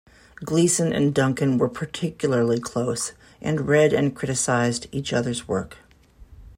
Gleason and Duncan were particularly close and read and criticized each other's work.